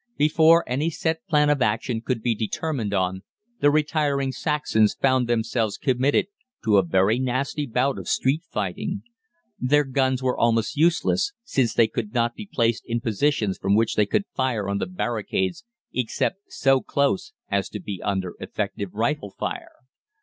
Before any set plan of action could be determined on, the retiring Saxons found themselves committed to a very nasty bout of street fighting. Their guns were almost useless, since they could not be placed in positions from which they could fire on the barricades except so close as to be under effective rifle fire.